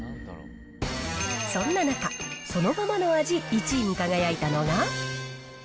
そんな中、そのままの味１位に輝いたのが。